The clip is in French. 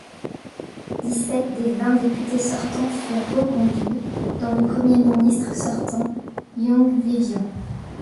Dix-sept des vingt députés sortants furent reconduits, dont le premier ministre sortant Young Vivian.